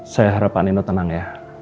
saya harap pak nino tenang ya